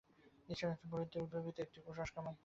ঈশ্বর হচ্ছেন পুরোহিতদের উদ্ভাবিত একটি কুসংস্কার মাত্র।